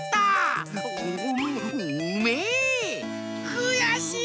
くやしい！